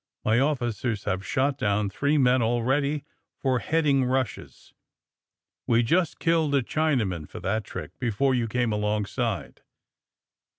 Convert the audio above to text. My officers have shot down three men, already, for heading rushes. We just killed a Chinaman for that trick before you came alongside."